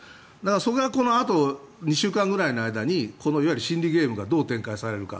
そこはこのあと２週間ぐらいの間にこの心理ゲームがどう展開されるか。